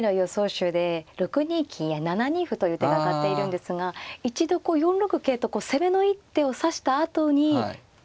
手で６二金や７二歩という手が挙がっているんですが一度こう４六桂と攻めの一手を指したあとに自陣に手を入れるという。